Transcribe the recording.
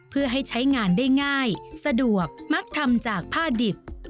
เพื่อให้ใช้งานได้ง่ายสะดวกมักทำจากผ้าดิบ